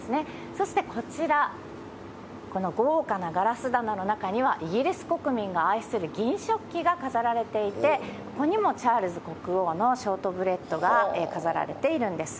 そしてこちら、この豪華なガラス棚の中にはイギリス国民が愛する銀食器が飾られていて、ここにもチャールズ国王のショートブレッドが飾られているんです。